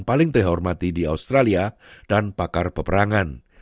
paling terhormati di australia dan pakar peperangan